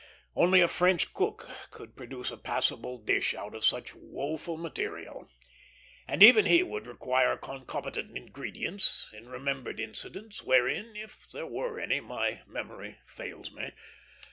Only a French cook could produce a passable dish out of such woful material; and even he would require concomitant ingredients, in remembered incidents, wherein, if there were any, my memory fails me.